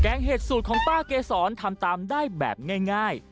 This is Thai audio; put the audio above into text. งเห็ดสูตรของป้าเกษรทำตามได้แบบง่าย